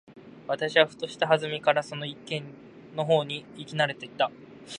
私はふとした機会（はずみ）からその一軒の方に行き慣（な）れていた。